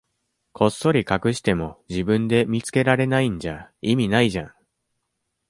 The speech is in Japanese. こっそり隠しても、自分で見つけられないんじゃ意味ないじゃん。